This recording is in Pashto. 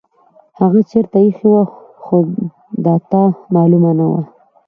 هغه چیرته ایښې وه خو ده ته معلومه نه وه.